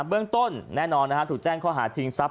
เบื้องต้นแน่นอนถูกแจ้งข้อหาชิงทรัพย